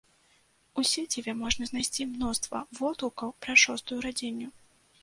У сеціве можна знайсці мноства водгукаў пра шостую радзільню.